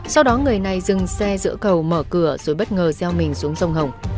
sau đó người này dừng xe giữa cầu mở cửa rồi bất ngờ gieo mình xuống sông hồng